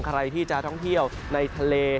ใครที่จะท่องเที่ยวในทะเล